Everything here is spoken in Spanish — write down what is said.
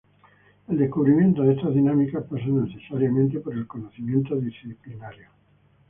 El descubrimiento de estas dinámicas pasa necesariamente por el conocimiento disciplinario.